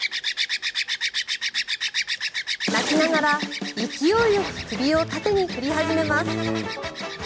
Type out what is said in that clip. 鳴きながら勢いよく首を縦に振り始めます。